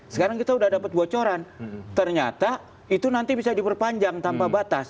sekarang kita sudah dapat bocoran ternyata itu nanti bisa diperpanjang tanpa batas